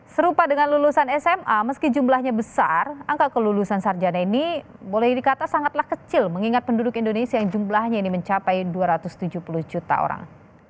serupa dengan lulusan sma meski jumlahnya besar angka kelulusan sarjana ini boleh dikata sangatlah kecil mengingat penduduk indonesia yang jumlahnya ini mencapai dua ratus tujuh puluh juta orang